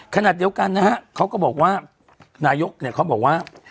ขณะเดียวกันนะฮะเขาก็บอกว่านายกเนี่ยเขาบอกว่า